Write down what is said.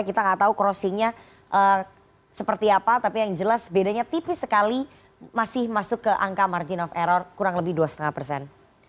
kita nggak tahu crossingnya seperti apa tapi yang jelas bedanya tipis sekali masih masuk ke angka margin of error kurang lebih dua lima persen